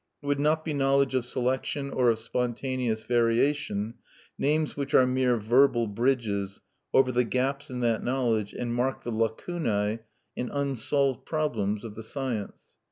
It would not be knowledge of selection or of spontaneous variation, terms which are mere verbal bridges over the gaps in that knowledge, and mark the lacunae and unsolved problems of the science.